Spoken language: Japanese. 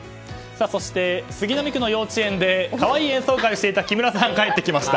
そして、杉並区の幼稚園で可愛い演奏会をしていた木村さん、帰ってきました。